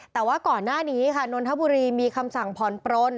แต่ว่าก่อนหน้านี้ค่ะนนทบุรีมีคำสั่งผ่อนปลน